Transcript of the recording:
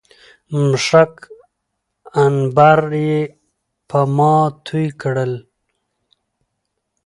مښک، عنبر يې په ما توى کړل